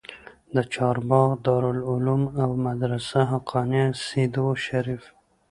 د چارباغ دارالعلوم او مدرسه حقانيه سېدو شريف